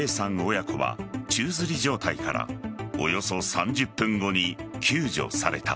親子は宙づり状態からおよそ３０分後に救助された。